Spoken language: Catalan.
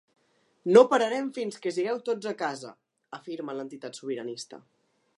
No pararem fins que sigueu tots a casa!, afirma l’entitat sobiranista.